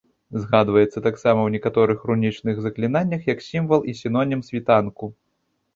Згадваецца таксама ў некаторых рунічных заклінаннях як сімвал і сінонім світанку.